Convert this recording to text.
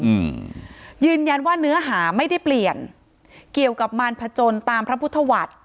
อืมยืนยันว่าเนื้อหาไม่ได้เปลี่ยนเกี่ยวกับมารพจนตามพระพุทธวัตร